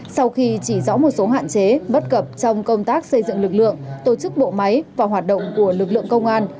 sau khi chỉ rõ một số hạn chế bất cập trong công tác xây dựng lực lượng tổ chức bộ máy và hoạt động của lực lượng công an